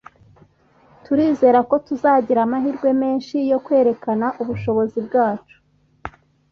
Turizera ko tuzagira amahirwe menshi yo kwerekana ubushobozi bwacu